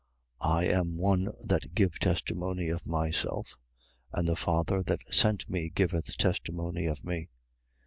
8:18. I am one that give testimony of myself: and the Father that sent me giveth testimony of me.